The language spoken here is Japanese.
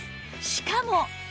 しかも